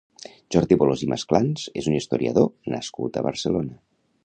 Jordi Bolòs i Masclans és un historiador nascut a Barcelona.